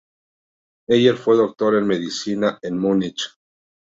Heyer fue Doctor en Medicina en Múnich.